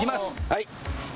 はい。